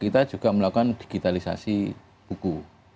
kita juga melakukan digitalisasi buku